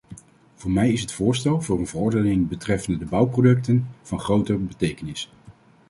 Voor mij is het voorstel voor een verordening betreffende de bouwproducten van grote betekenis.